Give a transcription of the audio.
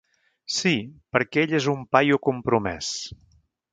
Sí, perquè ell és un paio compromès.